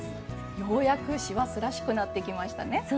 ようやく師走らしくなってきましたね。